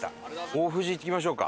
大藤行きましょうか。